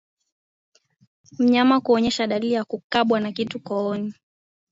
Mnyama kuonyesha dalili ya kukabwa na kitu kooni